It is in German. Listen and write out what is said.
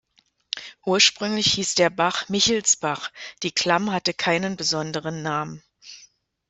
Ursprünglich hieß der Bach "Michelsbach", die Klamm hatte keinen besonderen Namen.